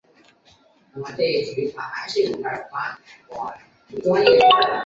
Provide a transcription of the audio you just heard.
马来西亚铁路运输系统分布于马来西亚半岛和东马沙巴州两个地区。